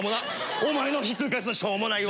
お前のひっくり返すのしょうもないわ。